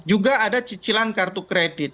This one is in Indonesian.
juga ada cicilan kartu kredit